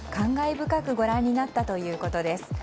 深くご覧になったということです。